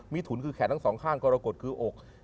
มีถุนคือแขนทั้งสองข้างกรกฎคืออก